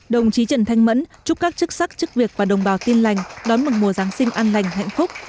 đồng chí trần thanh mẫn chúc các chức sắc chức việc và đồng bào tin lành đón mừng mùa giáng sinh an lành hạnh phúc